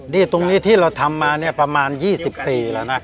นี่ตรงนี้ที่เราทำมาประมาณ๒๐ปีแล้ว